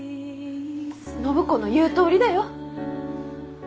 暢子の言うとおりだよ。